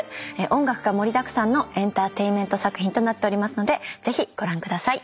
音楽が盛りだくさんのエンターテインメント作品となってますのでぜひご覧ください。